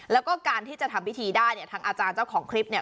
แล้วก็การที่จะทำพิธีได้เนี่ยทางอาจารย์เจ้าของคลิปเนี่ย